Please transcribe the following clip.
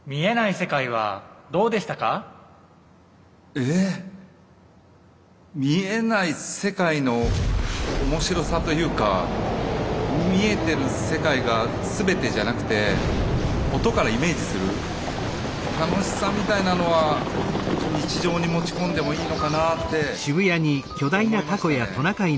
え見えない世界の面白さというか見えてる世界が全てじゃなくて音からイメージする楽しさみたいなのは日常に持ち込んでもいいのかなぁって思いましたね。